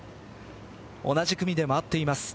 同じ組で回っています。